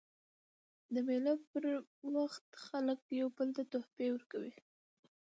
د مېلو پر وخت خلک یو بل ته تحفې ورکوي.